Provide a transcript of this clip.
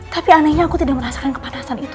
tapi anehnya aku tidak merasakan kepanasan itu